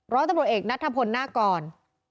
ร้อยตำรวจเอกนัทธพลหน้ากร